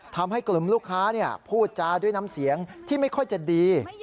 ทำให้กลุ่มลูกค้าพูดจาด้วยน้ำเสียงที่ไม่ค่อยจะดี